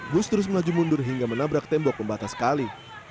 bus terus melaju mundur hingga menabrak tembok pembatas kali